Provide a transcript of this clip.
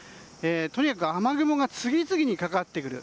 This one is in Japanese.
とにかく雨雲が次々にかかってくる。